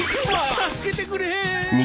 助けてくれ！